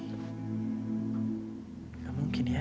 nggak mungkin ya